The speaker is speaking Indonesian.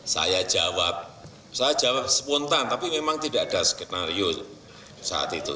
saya jawab saya jawab spontan tapi memang tidak ada skenario saat itu